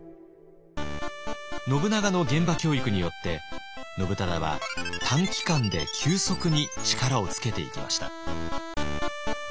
信長の現場教育によって信忠は短期間で急速に力をつけていきました。